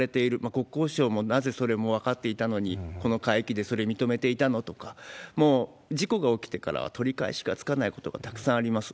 国交省もなぜそれも分かっていたのに、この海域でそれを認めていたの？とか、もう事故が起きてからは取り返しがつかないことがたくさんあります。